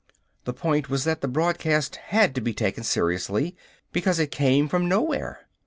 The point was that the broadcast had to be taken seriously because it came from nowhere.